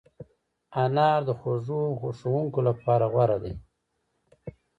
انار د خوږو خوښونکو لپاره غوره دی.